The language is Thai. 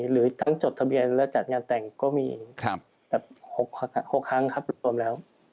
หรือทั้งจดทะเบียนและจัดงานแต่งก็มีแบบ๖ครั้งครับรวมแล้ว